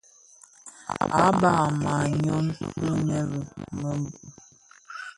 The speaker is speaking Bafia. À bab a màa nyɔng bi mëli mɛ kob.